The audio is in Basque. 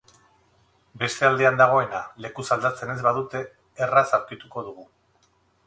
Beste aldean dagoena lekuz aldatzen ez badute erraz aurkituko dugu.